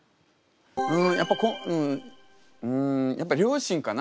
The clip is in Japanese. うんやっぱうんやっぱ両親かな。